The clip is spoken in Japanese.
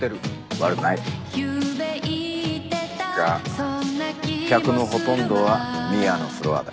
悪くない。が客のほとんどはミアのフロアだ。